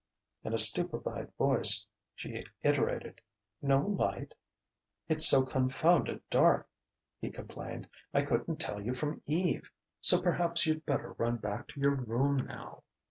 In a stupefied voice she iterated: "No light ?" "It's so confounded' dark," he complained: "I couldn't tell you from Eve. So perhaps you'd better run back to your room now...."